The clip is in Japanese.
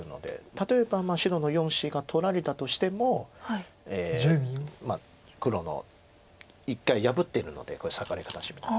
例えば白の４子が取られたとしても黒の１回破ってるのでこれ裂かれ形みたいな。